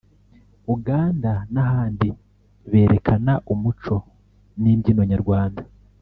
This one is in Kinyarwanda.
Uganda n’ahandi berekana umuco n’imbyino Nyarwanda